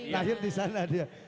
lahir di sana dia